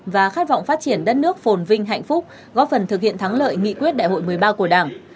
và khát vọng phát triển đất nước phồn vinh hạnh phúc góp phần thực hiện thắng lợi nghị quyết đại hội một mươi ba của đảng